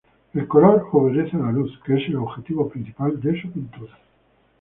El color obedece a la luz, que es el objetivo principal de su pintura.